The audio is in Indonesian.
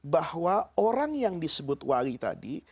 bahwa orang yang disebut wali tadi